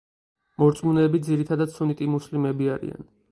მორწმუნეები ძირითადად სუნიტი მუსლიმები არიან.